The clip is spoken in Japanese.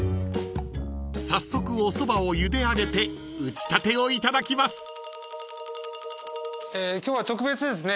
［早速おそばをゆで上げて打ちたてをいただきます］